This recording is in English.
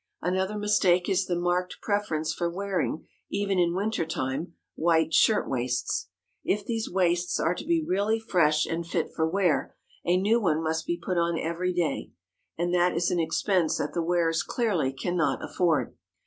Another mistake is the marked preference for wearing, even in winter time, white shirt waists. If these waists are to be really fresh and fit for wear, a new one must be put on every day, and that is an expense that the wearers clearly can not afford.